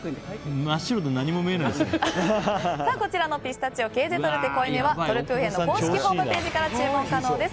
こちらのピスタチオ・ケーゼ・トルテ濃いめはトルクーヘンの公式ホームページから注文可能です。